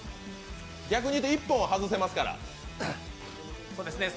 逆にいうと１本は外せますから。